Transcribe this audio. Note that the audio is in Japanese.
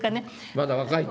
まだ若いと。